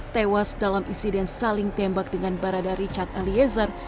tewas dalam insiden saling tembak dengan barada richard eliezer